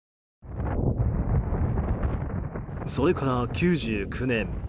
それから９９年。